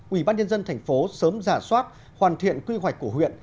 ủy ban nhân dân thành phố sớm giả soát hoàn thiện quy hoạch của huyện